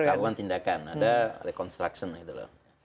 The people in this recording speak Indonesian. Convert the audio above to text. ya saya kira lakukan tindakan ada reconstruction gitu loh